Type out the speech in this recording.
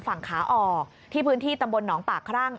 ฝั่งขาออกที่พื้นที่ตำบลหนองปากครั่ง